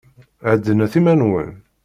Heddnet iman-nwen.